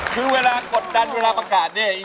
คิดว่ากดดันเวลาประกาศ